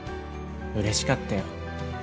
うれしかったよ。